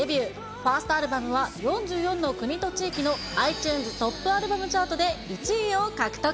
ファーストアルバムは４４の国と地域のアイチューンズトップアルバムチャートで１位を獲得。